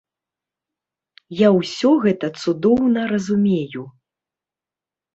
Я ўсе гэта цудоўна разумею.